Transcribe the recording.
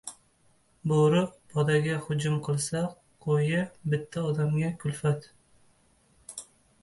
• Bo‘ri podaga hujum qilsa, qo‘yi bitta odamga kulfat.